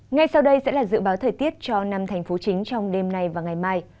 ngay sau đây sẽ là dự báo thời tiết cho năm thành phố chính trong đêm nay và ngày mai